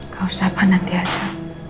gak usah apa nanti aja